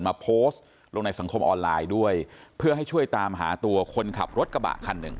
มาโพสต์ลงในสังคมออนไลน์ด้วยเพื่อให้ช่วยตามหาตัวคนขับรถกระบะคันหนึ่ง